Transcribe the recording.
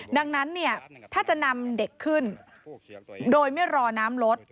ดังนั้นเนี่ยถ้าจะนำเด็กขึ้นโดยไม่รอน้ำลด